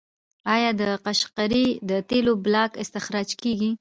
آیا د قشقري د تیلو بلاک استخراج کیږي؟